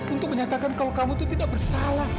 untuk menyatakan kalau kamu itu tidak bersalah